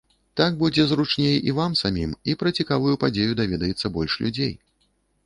Так будзе зручней і вам самім, і пра цікавую падзею даведаецца больш людзей.